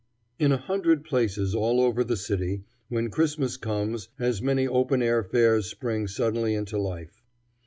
In a hundred places all over the city, when Christmas comes, as many open air fairs spring suddenly into life.